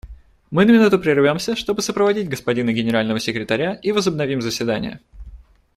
Мы на минуту прервемся, чтобы сопроводить господина Генерального секретаря, и возобновим заседание.